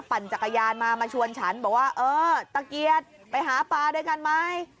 ปั่นจักรยานมามาชวนฉันบอกว่าเออตะเกียดไปหาปลาด้วยกันไหม